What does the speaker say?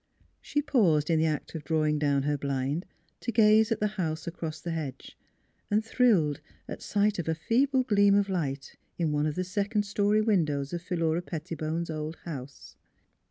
She paused in the act of drawing down her blind to gaze at the house across the hedge, and thrilled at sight of a feeble gleam of light in one 54 NEIGHBORS of the second story windows of Philura Pettibone's old house.